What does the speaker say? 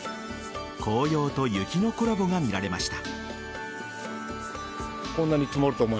紅葉と雪のコラボが見られました。